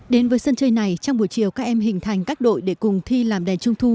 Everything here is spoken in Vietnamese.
đến với sân chơi này trong buổi chiều các em hình thành các đội để cùng thi làm đèn trung thu